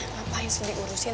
ngapain sidi urusin